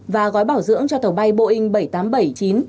và gói bảo dưỡng cho tàu bay boeing bảy trăm tám mươi bảy chín